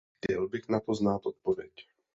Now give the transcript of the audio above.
Chtěl bych na to znát odpověď.